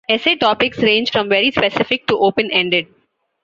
Essay topics range from very specific to open-ended.